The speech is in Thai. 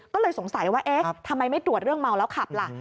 ก็เลยสงสัยว่าเอ๊ะทำไมไม่ตรวจเรื่องเมาแล้วขับล่ะ